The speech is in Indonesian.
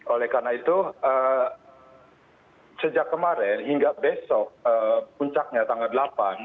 oleh karena itu sejak kemarin hingga besok puncaknya tanggal delapan